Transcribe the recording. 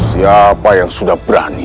siapa yang sudah berani